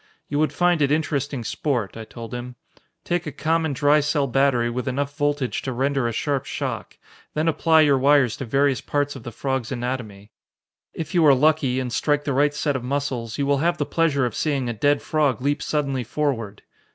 "You would find it interesting sport," I told him. "Take a common dry cell battery with enough voltage to render a sharp shock. Then apply your wires to various parts of the frog's anatomy. If you are lucky, and strike the right set of muscles, you will have the pleasure of seeing a dead frog leap suddenly forward.